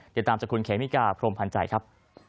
เดี๋ยวตามจากคุณแขมิก้าพรหมพันธ์ใจครับ